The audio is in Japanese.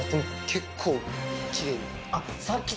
結構きれいに。